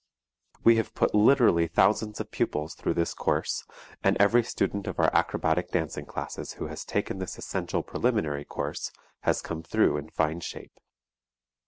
We have put literally thousands of pupils through this course, and every student of our acrobatic dancing classes who has taken this essential preliminary course has come through in fine shape.